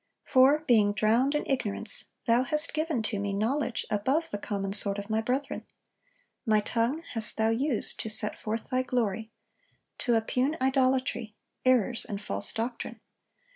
For being drowned in ignorance Thou hast given to me knowledge above the common sort of my brethren; my tongue hast Thou used to set forth Thy glory, to oppugne idolatry, errors, and false doctrine.